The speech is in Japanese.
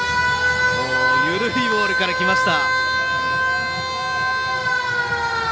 緩いボールから来ました。